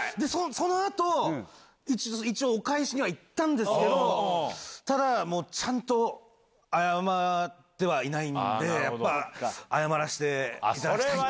そのあと、一応、お返しには行ったんですけど、ただ、もうちゃんと謝ってはいないんで、やっぱ、謝らせていただきたい。